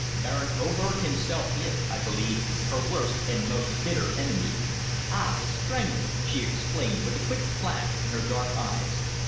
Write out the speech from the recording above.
Baron Oberg himself is, I believe, her worst and most bitter enemy." "Ah! the Strangler!" she exclaimed with a quick flash in her dark eyes.